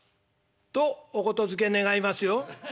とお言づけ願いますよ」。